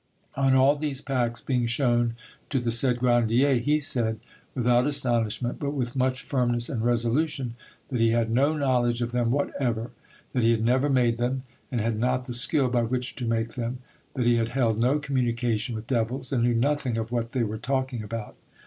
On all these pacts being shown to the said Grandier, he said, without astonishment, but with much firmness and resolution, that he had no knowledge of them whatever, that he had never made them, and had not the skill by which to make them, that he had held no communication with devils, and knew nothing of what they were talking about.